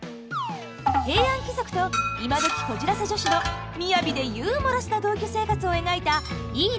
平安貴族と今どきこじらせ女子の雅でユーモラスな同居生活を描いた「いいね！